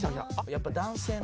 やっぱ男性の。